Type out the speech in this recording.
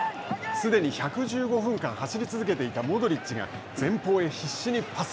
すでに１１５分間走り続けていたモドリッチが前方へ必死にパス。